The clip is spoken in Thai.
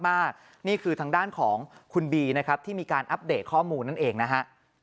นี่คือทางด้านของคุณบีนะครับที่มีการอัปเดตข้อมูลนั่นเองนะฮะ